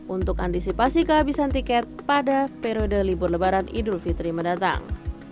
untuk antisipasi kehabisan tiket pada periode libur lebaran idul fitri mendatang